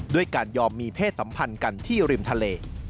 ด้วยการยอมมีเพศสัมพันธ์กันที่ริมทะเล